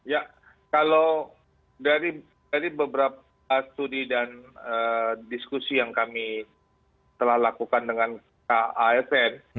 ya kalau dari beberapa studi dan diskusi yang kami telah lakukan dengan kasn